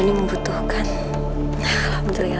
dia udah razie